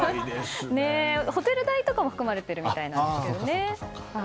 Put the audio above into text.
ホテル代とかも含まれているみたいですが。